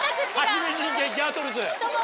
『はじめ人間ギャートルズ』！